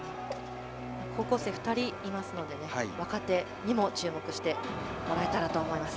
高校生２人いますので若手にも注目してもらえたらと思います。